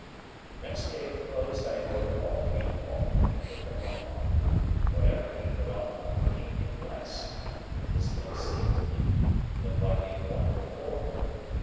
Next day the clothes I had ordered all came home, and he put them on. Whatever he put on, became him less (it dismally seemed to me) than what he had worn before.